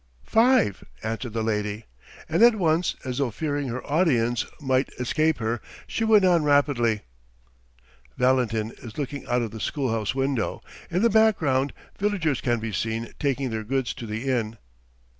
"Five," answered the lady, and at once, as though fearing her audience might escape her, she went on rapidly. VALENTIN is looking out of the schoolhouse window. In the background Villagers _can be seen taking their goods to the Inn.